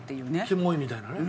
キモいみたいなね。